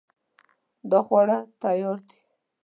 دا خواړه تیار دي